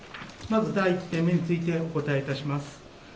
まず第１点目についてお答え致します。